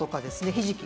ひじき